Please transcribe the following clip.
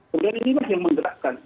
kemudian ini masih mengeratkan